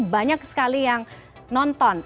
banyak sekali yang nonton